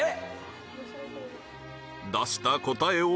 出した答えは？